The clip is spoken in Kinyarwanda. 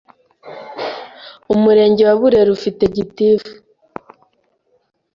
Umurenge wa burera ufite gitifu